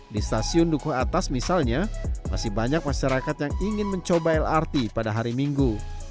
di stasiun dukuh atas misalnya masih banyak masyarakat yang ingin mencoba lrt pada hari minggu